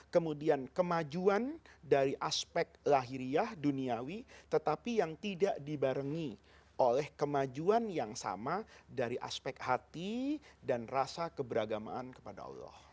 kemudian kemajuan dari aspek lahiriyah duniawi tetapi yang tidak dibarengi oleh kemajuan yang sama dari aspek hati dan rasa keberagamaan kepada allah